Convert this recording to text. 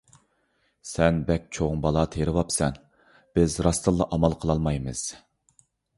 سەن بەك چوڭ بالا تېرىۋاپسەن! بىز راستتىنلا ئامال قىلالمايمىز.